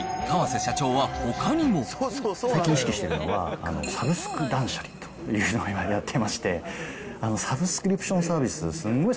さらに、河瀬社長は、最近意識してるのは、サブスク断捨離というのをやってまして、サブスクリプションサービス、すんごい